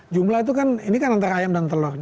jumlah itu kan ini kan antara ayam dan telur